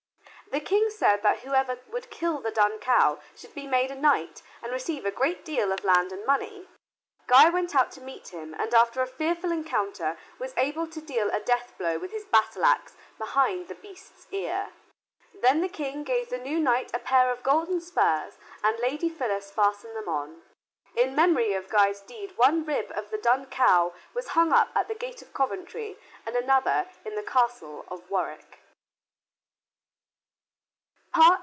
The King said that whoever would kill the Dun Cow should be made a knight and receive a great deal of land and money. Guy went out to meet him and after a fearful encounter was able to deal a deathblow with his battle axe behind the beast's ear. Then the King gave the new knight a pair of golden spurs, and Lady Phyllis fastened them on. In memory of Guy's deed one rib of the Dun Cow was hung up at the gate of Coventry and another in the Castle of Warwick.